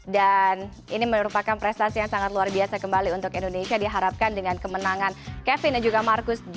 dan ini merupakan prestasi yang sangat luar biasa kembali untuk indonesia diharapkan dengan kemenangan kevin dan juga marcus